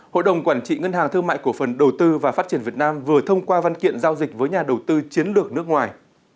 hội đồng quản trị ngân hàng thương mại cổ phần đầu tư và phát triển việt nam vừa thông qua văn kiện giao dịch với nhà đầu tư chiến lược nước ngoài